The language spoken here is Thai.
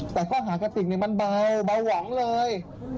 แต่ข้อหากติกเนี่ยมันเบาเบาห่องเลย